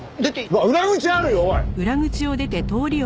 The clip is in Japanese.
うわっ裏口あるよおい！